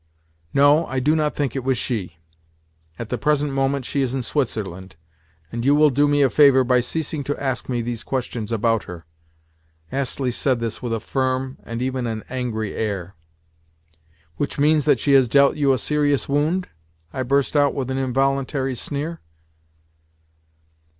"No, I do not think it was she. At the present moment she is in Switzerland, and you will do me a favour by ceasing to ask me these questions about her." Astley said this with a firm, and even an angry, air. "Which means that she has dealt you a serious wound?" I burst out with an involuntary sneer.